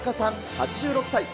８６歳。